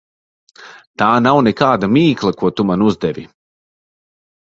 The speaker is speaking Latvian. Tā nav nekāda mīkla, ko tu man uzdevi.